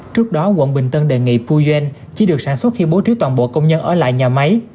trước đó quận bình tân đề nghị phu doanh chỉ được sản xuất khi bố trí toàn bộ công nhân ở lại nhà máy